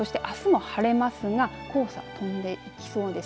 あすも晴れますが黄砂飛んできそうです。